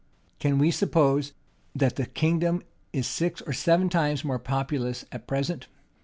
Can we suppose that the kingdom is six or seven times more populous at present?